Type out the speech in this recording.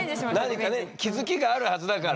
何かね気付きがあるはずだから。